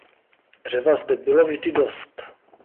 Dřeva zde bylo vždy dost.